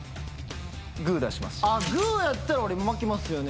グーやったら俺負けますよね？